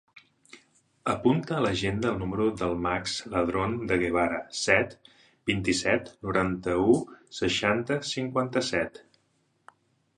Apunta a l'agenda el número del Max Ladron De Guevara: set, vint-i-set, noranta-u, seixanta, cinquanta-set.